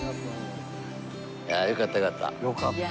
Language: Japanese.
いやよかったよかった。